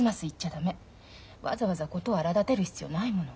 わざわざ事を荒だてる必要ないもの。